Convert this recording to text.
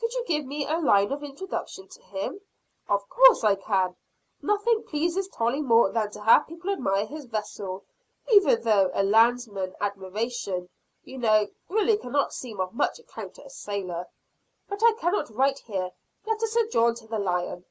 Could you give me a line of introduction to him?" "Of course I can nothing pleases Tolley more than to have people admire his vessel even though a landsman's admiration, you know, really cannot seem of much account to a sailor. But I cannot write here; let us adjourn to the Lion."